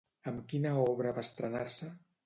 Amb quina obra va estrenar-se?